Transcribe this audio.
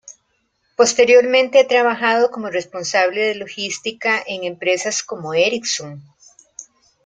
Posteriormente ha trabajado como responsable de logística en empresas como Ericsson.